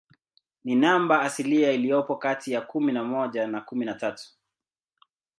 Ni namba asilia iliyopo kati ya kumi na moja na kumi na tatu.